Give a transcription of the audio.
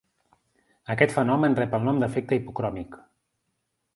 Aquest fenomen rep el nom d'efecte hipocròmic.